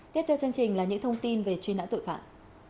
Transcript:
tiếp theo chương trình là những thông tin về truy nã tội phạm